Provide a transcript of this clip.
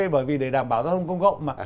bởi vì để đảm bảo ra không công cộng